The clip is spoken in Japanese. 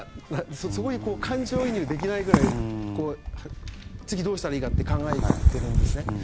そこに感情移入できないくらい次、どうしたらいいかって考えているんですね。